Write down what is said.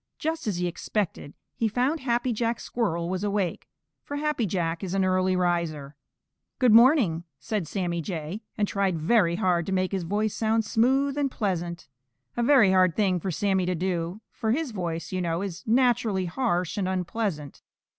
Just as he expected he found Happy Jack Squirrel was awake, for Happy Jack is an early riser. "Good morning," said Sammy Jay, and tried very hard to make his voice sound smooth and pleasant, a very hard thing for Sammy to do, for his voice, you know, is naturally harsh and unpleasant.